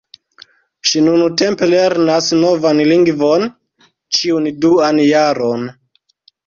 Ŝi nuntempe lernas novan lingvon ĉiun duan jaron.